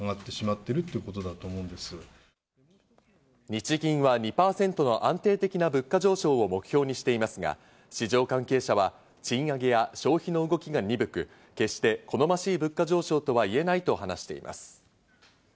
日銀は２％の安定的な物価上昇を目標にしていますが、市場関係者は賃上げや消費の動きが鈍く、決して好ましい物価上昇とは言えないと話しています。